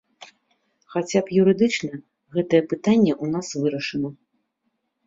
Хаця б юрыдычна гэтае пытанне ў нас вырашана.